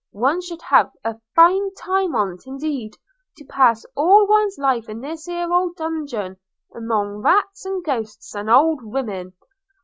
One should have a fine time on't, indeed, to pass all one's life in this here old dungeon, among rats, and ghosts, and old women.